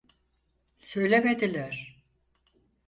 Söylemediler.